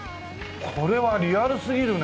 これはリアルすぎるね。